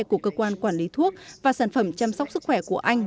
của cơ quan quản lý thuốc và sản phẩm chăm sóc sức khỏe của anh